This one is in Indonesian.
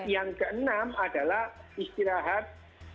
yang keenam adalah istirahat